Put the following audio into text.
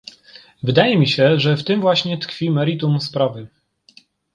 Wydaje mi się, że w tym właśnie tkwi meritum sprawy